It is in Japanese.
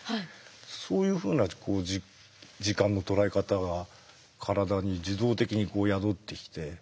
そういうふうな時間の捉え方が体に自動的に宿ってきて。